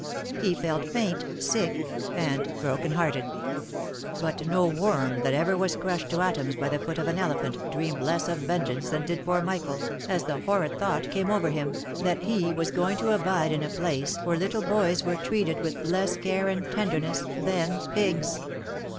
He felt faint, sick, and broken hearted ; but no worm that ever was crushed to atoms by the foot of an elephant, dreamed less of vengeance than did poor Michael, as the horrid thought came over him, that he was going to abide in a //////'/,/.;/,!;..', A flour) . i; m . OF MICHAEL ARMSTRONG; 185 place where little boys were treated with less care and tenderness than pigs!